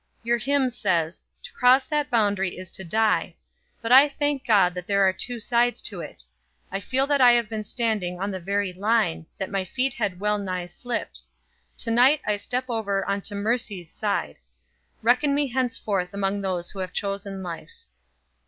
Your hymn says, 'To cross that boundary is to die;' but I thank God that there are two sides to it. I feel that I have been standing on the very line, that my feet had well nigh slipped. To night I step over on to mercy's side. Reckon me henceforth among those who have chosen life."